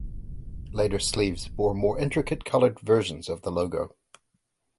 Later sleeves bore more intricate-coloured versions of the logo.